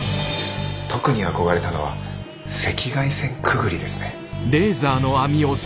特に憧れたのは赤外線くぐりですね。